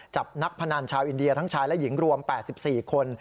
จับนักพนันชาวอินเดียทั้งชายและหญิงรวม๘๔คน